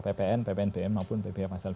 ppn ppnbm maupun pbi pasal dua puluh dua